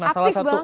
aktif banget ya